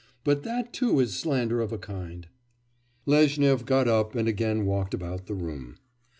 But that too is slander of a kind!' Lezhnyov got up and again walked about the room.